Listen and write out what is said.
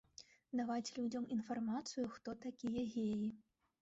Даваць людзям інфармацыю, хто такія геі.